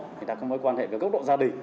người ta không có quan hệ với các độ gia đình